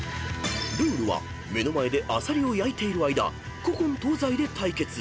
［ルールは目の前でアサリを焼いている間古今東西で対決］